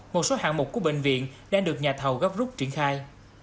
một số hạng mục của bệnh viện đang được nhà thầu góp rút triển khai